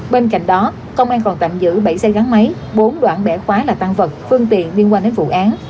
bên cạnh đó công an còn tạm giữ bảy xe gắn máy bốn đoạn bẻ khóa là tăng vật phương tiện liên quan đến vụ án